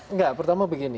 enggak pertama begini